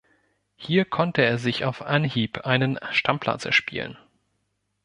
Hier konnte er sich auf Anhieb einen Stammplatz erspielen.